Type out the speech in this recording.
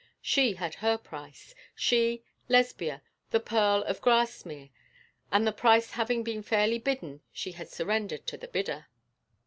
She had her price, she, Lesbia, the pearl of Grasmere; and the price having been fairly bidden she had surrendered to the bidder.